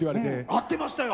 合ってましたよ。